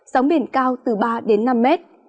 sóng biển cao từ ba năm mét